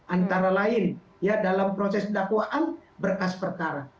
antara lain ya dalam proses dakwaan berkas perkara